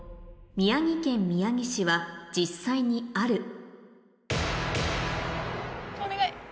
宮城県宮城市は実際にあるお願い。